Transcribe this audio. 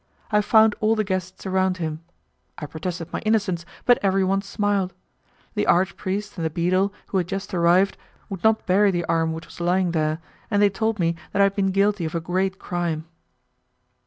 I found all the guests around him. I protested my innocence, but everyone smiled. The archpriest and the beadle, who had just arrived, would not bury the arm which was lying there, and they told me that I had been guilty of a great crime.